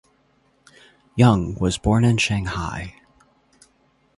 Young was born in Shanghai.